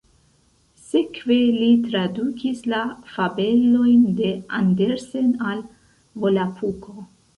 Sekve li tradukis la fabelojn de Andersen al Volapuko.